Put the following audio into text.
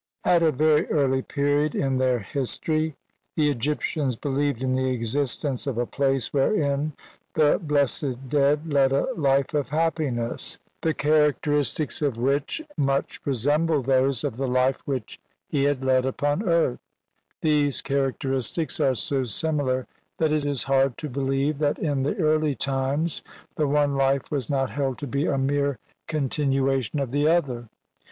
At a very early period in their history the Egyp tians believed in the existence of a place wherein the blessed dead led a life of happiness, the charac teristics of which much resemble those of the life which he had led upon earth ; these characteristics are so similar that it is hard to believe that in the early times the one life was not held to be a mere continuation of the other.